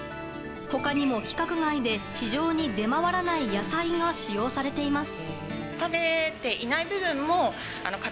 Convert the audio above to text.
他にも規格外で市場に出回らない野菜が使用されています。